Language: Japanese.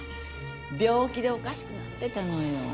病気でおかしくなってたのよ。